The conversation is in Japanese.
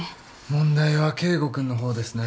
問題は圭吾君の方ですね。